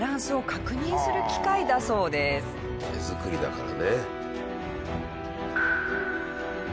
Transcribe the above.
手作りだからね。